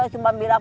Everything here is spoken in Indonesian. dia juga salah ya